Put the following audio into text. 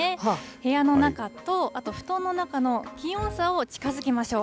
部屋の中と、あと布団の中の気温差を近づけましょう。